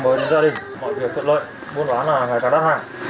vâng vâng vâng vâng cảm ơn